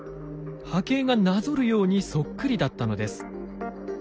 波形がなぞるようにそっくりだったのです。